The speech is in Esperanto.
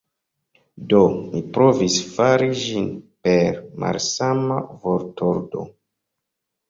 Do, mi provis fari ĝin per malsama vortordo.